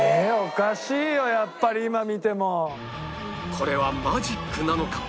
これはマジックなのか？